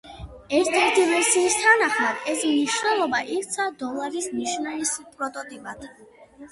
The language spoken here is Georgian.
ერთ-ერთი ვერსიის თანახმად, ეს მნიშვნელობა იქცა დოლარის ნიშნის პროტოტიპად.